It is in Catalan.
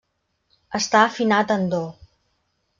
Està afinat en do.